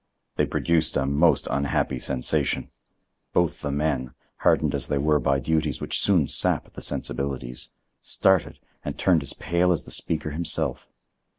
They produced a most unhappy sensation. Both the men, hardened as they were by duties which soon sap the sensibilities, started and turned as pale as the speaker himself.